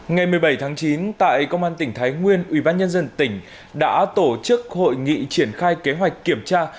ngày một mươi bảy tháng chín tại công an tỉnh thái nguyên ubnd tỉnh đã tổ chức hội nghị triển khai kế hoạch kiểm tra